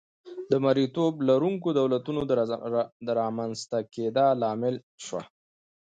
د مریتوب لرونکو دولتونو د رامنځته کېدا لامل شوه.